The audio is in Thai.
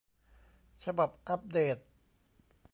ฉบับอัปเดต